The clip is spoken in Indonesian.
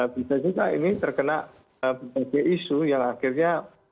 bisa juga ini terkena berbagai isu yang akhirnya